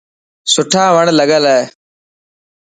سوٺا وڻ لگل هي.